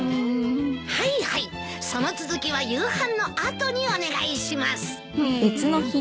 はいはいその続きは夕飯の後にお願いします。